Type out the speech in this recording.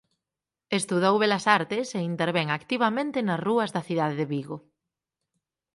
Estudou Belas Artes e intervén activamente nas rúas da cidade de Vigo.